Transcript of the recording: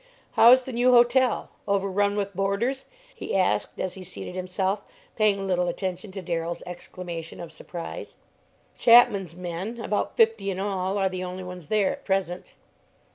"How's the new hotel? Overrun with boarders?" he asked, as he seated himself, paying little attention to Darrell's exclamation of surprise. "Chapman's men about fifty in all are the only ones there at present."